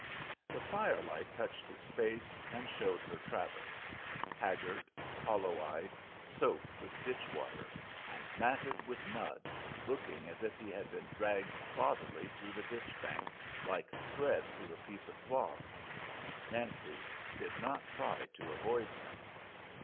The firelight touched his face, and showed her Travis: haggard, hollow eyed, soaked with ditch water, and matted with mud, looking as if he had been dragged bodily through the ditch bank, like thread through a piece of cloth. Nancy did not try to avoid him.